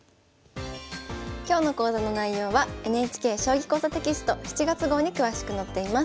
今日の講座の内容はＮＨＫ「将棋講座」テキスト７月号に詳しく載っています。